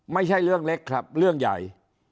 ไม่ใช่เรื่องเล็กครับเรื่องใหญ่